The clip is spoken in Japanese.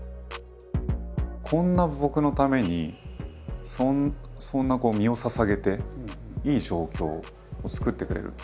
こんな僕のためにそんな身をささげていい状況を作ってくれる。